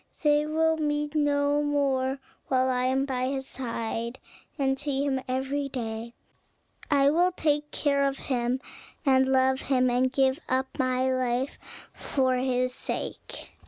They will meet no more: while I am by his side, and see him every day. I will take care of him, and love him, and give up my life for his sake."